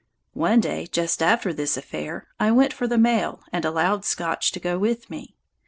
One day, just after this affair, I went for the mail, and allowed Scotch to go with me.